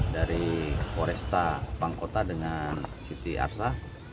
dari polres kupangkota dengan siti arsha